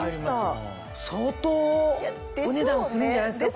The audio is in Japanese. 相当お値段するんじゃないですか？